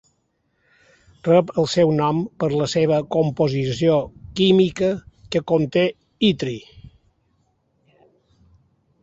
Rep el seu nom per la seva composició química, que conté itri.